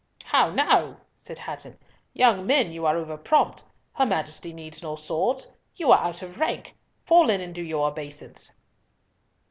"How now!" said Hatton, "young men, you are over prompt. Her Majesty needs no swords. You are out of rank. Fall in and do your obeisance."